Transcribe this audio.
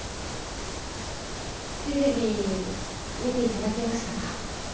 テレビ見ていただけましたか？